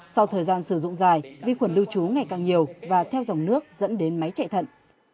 sau thời gian sử dụng dài vi khuẩn lưu trú ngày càng nhiều và theo dòng nước dẫn đến máy chạy thận